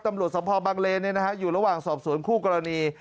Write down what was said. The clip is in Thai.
ตำรวจสมภาพบังเลนอยู่ระหว่างสอบสวนคู่กรณี